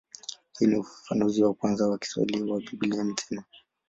Huu ni ufafanuzi wa kwanza wa Kiswahili wa Biblia nzima.